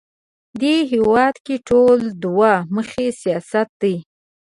دې هېواد کې ټول دوه مخی سیاست دی